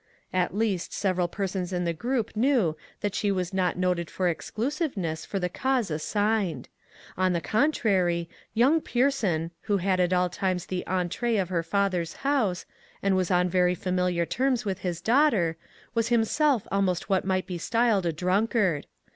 At least, several persons in the group knew that she was not noted for exclusiveness for the cause assigned. On the contrary, young Pierson, who had at all times the entree of her father's house, and was on very familiar terms with his daughter, was himself almost what might be styled a drunkard.